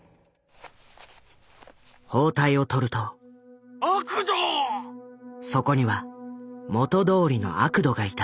包帯を取るとそこには元どおりのアクドがいた。